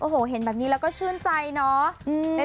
โอ้โหเห็นแบบนี้แล้วก็ชื่นใจเนาะ